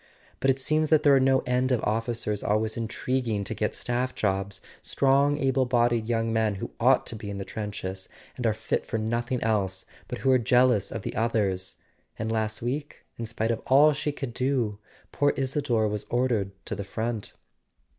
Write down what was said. But it seems there are no end of officers always intriguing to get staff jobs: strong able bodied young men who ought to be in the trenches, and are fit for nothing else, but who are jealous of the others. And last week, in spite of all she could do, poor Isador was ordered to the front."